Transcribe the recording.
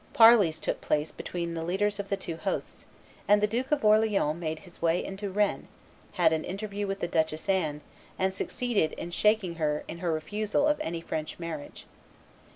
Parleys took place between the leaders of the two hosts; and the Duke of Orleans made his way into Rennes, had an interview with the Duchess Anne, and succeeded in shaking her in her refusal of any French marriage.